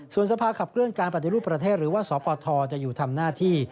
ส่วนสภาขับเคลื่อนการปฏิรูปประเทศหรือว่าสปทจะอยู่ทำหน้าที่